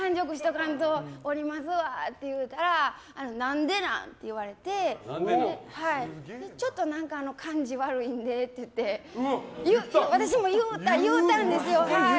それで、降りますわって言ったら何でなん？って言われてちょっと感じ悪いんでって私も言うたんですよ。